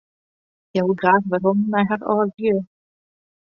Hja wol graach werom nei har âldelju.